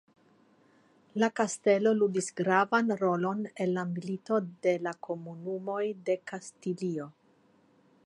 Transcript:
La kastelo ludis gravan rolon en la Milito de la Komunumoj de Kastilio.